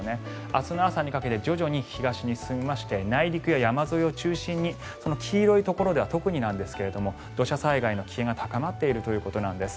明日の朝にかけて徐々に東に進みまして内陸や山沿いを中心に黄色いところでは特になんですが土砂災害の危険が高まっているということです。